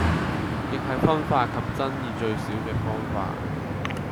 亦係分化及爭議最少既方法